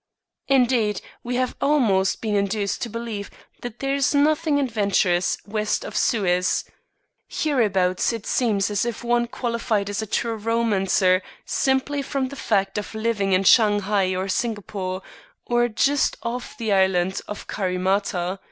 Indeed, we have almost been induced to believe that there is nothing adventurous west of Suez. Hereabouts, it seems as if one qualified as a true romancer simply from the fact of living in Shanghai or Singapore, or just off the island of Carimata.